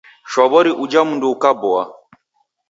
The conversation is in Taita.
Shwawori uja mndu ukaboa